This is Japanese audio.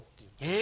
え！